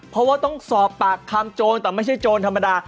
เพราะว่าต้องสอบปากคำโจรแต่ไม่ใช่โจรธรรมดา